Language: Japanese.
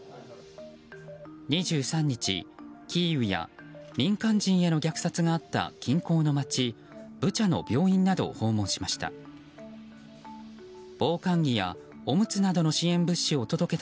２３日、キーウや民間人への虐殺があった近郊の街ブチャの病院などを訪問しました。